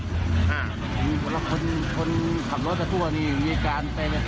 คนขับรถกับทุกคนมีวิวิการเป็นอย่างเต็ม